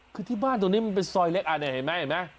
คือที่บ้านตรงนี้มันเป็นซอยเล็กอันนี้เห็นไหมเห็นไหม